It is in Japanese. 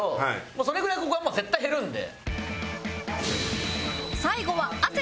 それぐらいここはもう絶対減るんで。